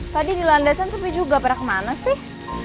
tadi di landasan sepi juga perak mana sih